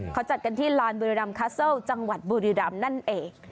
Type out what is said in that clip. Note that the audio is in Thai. เขาจัดกันที่ลานบุรีรำคาเซิลจังหวัดบุรีรำนั่นเอง